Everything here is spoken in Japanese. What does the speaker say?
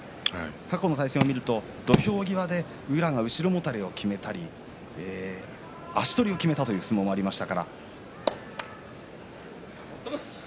過去の対戦を見ると土俵際で宇良が後ろもたれをきめたり足取りをきめたという相撲もありました。